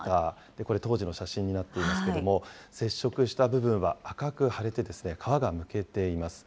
これ、当時の写真になっていますけれども、接触した部分は赤く腫れて、皮がむけています。